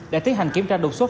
đã tiến hành kiểm tra đột xuất